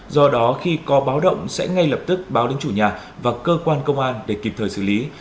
do đó khi có báo động sẽ ngay lập tức báo đến chủ nhà và cơ quan công an để kịp thời xử lý